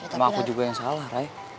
sama aku juga yang salah ray